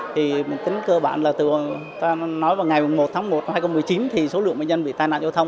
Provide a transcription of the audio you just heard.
thì mình tính cơ bản là từ ngày một tháng một năm hai nghìn một mươi chín thì số lượng bệnh nhân bị tai nạn yêu thông